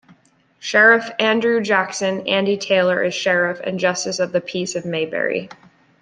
Sheriff Andrew Jackson "Andy" Taylor is Sheriff and Justice of the Peace of Mayberry.